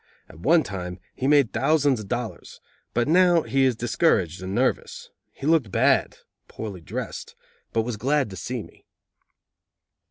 At one time he made thousands of dollars, but now he is discouraged and nervous. He looked bad (poorly dressed) but was glad to see me.